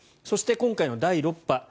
そして今回の第６波。